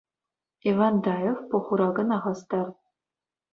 Ивантаев пухура кӑна хастар.